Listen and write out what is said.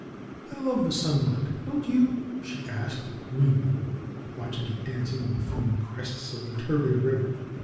"I love the sunlight, don't you?" she asked, dream ily, watching it dancing on the foaming crests of the turbid river.